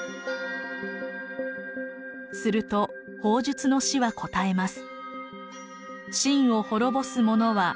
すると方術の士は答えます。